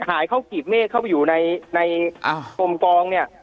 หายเข้ากรีบเมฆเข้าไปอยู่ในกลมกองเนี่ย